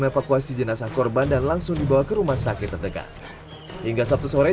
evakuasi jenazah korban dan langsung dibawa ke rumah sakit terdekat hingga sabtu sore